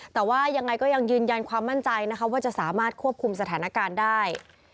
แต่ว่ายังไงก็ยังยืนยันความมั่นใจนะคะว่าจะสามารถควบคุมสถานการณ์ได้